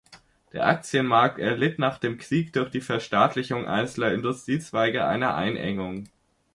Der Aktienmarkt erlitt nach dem Krieg durch die Verstaatlichung einzelner Industriezweige eine Einengung.